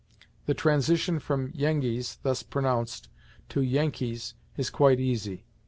The transition from "Yengeese," thus pronounced, to "Yankees" is quite easy.